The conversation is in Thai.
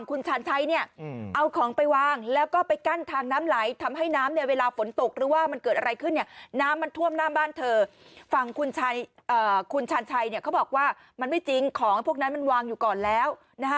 คุณชาญชัยเขาบอกว่ามันไม่จริงของพวกนั้นมันวางอยู่ก่อนแล้ว